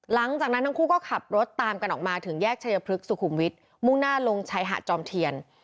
หลังจากนั้นทั้งคู่ก็ขับรถตามกันออกมาถึงแยกชายพลึกสุขุมวิทย์มุ่งหน้าลงชายหาดจอมเทียน